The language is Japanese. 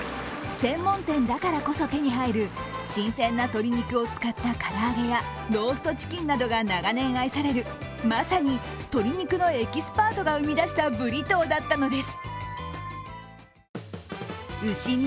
専門店だからこそ手に入る新鮮な鶏肉を使った唐揚げやローストチキンなどが長年愛されるまさに鶏肉のエキスパートが生み出したブリトーだったのです。